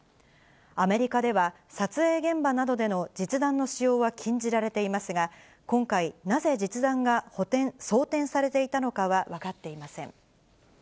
アメリカでは、撮影現場などでの実弾の使用は禁じられていますが、今回、なぜ実弾が装填されていたのかは分かっていません。